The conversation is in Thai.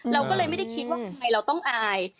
เราก็เลยไม่ได้คิดว่าใครเราต้องอาย